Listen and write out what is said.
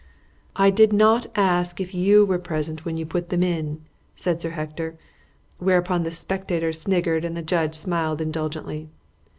"I did not ask if you were present when you put them in," said Sir Hector (whereupon the spectators sniggered and the judge smiled indulgently).